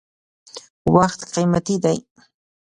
• وخت قیمتي دی.